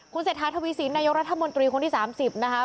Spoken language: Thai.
เศรษฐาทวีสินนายกรัฐมนตรีคนที่๓๐นะคะ